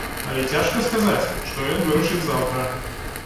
Але цяжка сказаць, што ён вырашыць заўтра.